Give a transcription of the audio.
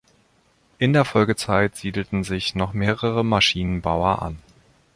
In der Folgezeit siedelten sich noch mehrere Maschinenbauer an.